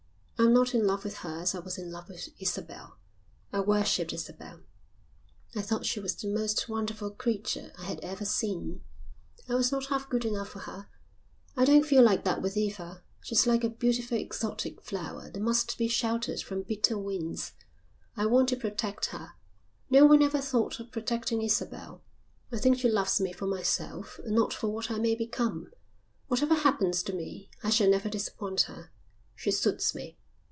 "I'm not in love with her as I was in love with Isabel. I worshipped Isabel. I thought she was the most wonderful creature I had ever seen. I was not half good enough for her. I don't feel like that with Eva. She's like a beautiful exotic flower that must be sheltered from bitter winds. I want to protect her. No one ever thought of protecting Isabel. I think she loves me for myself and not for what I may become. Whatever happens to me I shall never disappoint her. She suits me."